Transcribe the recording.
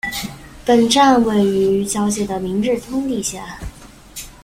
本站位于与交界的明治通地下。